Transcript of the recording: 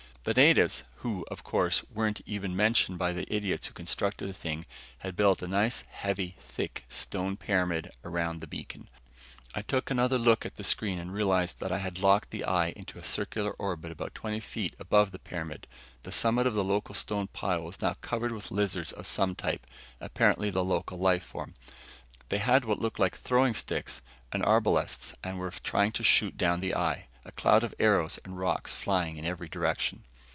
The natives, who, of course, weren't even mentioned by the idiots who constructed the thing, had built a nice heavy, thick stone pyramid around the beacon. I took another look at the screen and realized that I had locked the eye into a circular orbit about twenty feet above the pyramid. The summit of the stone pile was now covered with lizards of some type, apparently the local life form. They had what looked like throwing sticks and arbalasts and were trying to shoot down the eye, a cloud of arrows and rocks flying in every direction.